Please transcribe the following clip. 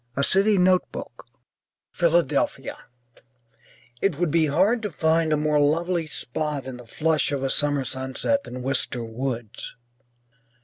A CITY NOTEBOOK (Philadelphia) It would be hard to find a more lovely spot in the flush of a summer sunset than Wister Woods.